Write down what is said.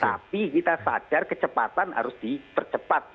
tapi kita sadar kecepatan harus dipercepat